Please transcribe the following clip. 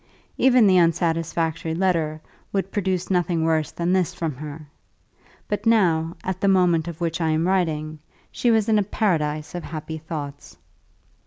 Even the unsatisfactory letter would produce nothing worse than this from her; but now, at the moment of which I am writing, she was in a paradise of happy thoughts.